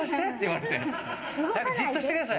じっとしてください。